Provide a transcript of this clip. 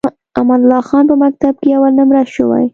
امان الله خان په مکتب کې اول نمره شوی.